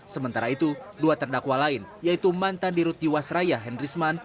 sementara itu dua terdakwa lain yaitu mantan dirut juas raya henry sman